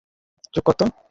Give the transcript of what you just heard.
চুপ কর তো!